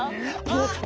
あっ！